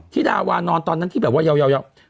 ธิดาวานอนตอนนั้นที่แบบว่ายาว